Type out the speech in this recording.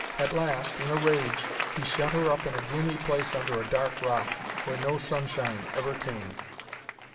At last, in a rage, he shut her up in a gloomy place under a dark rock, where no sunshine ever came.